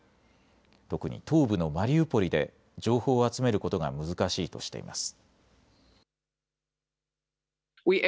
特に東部のマリウポリで情報を集めることが難しいとしています。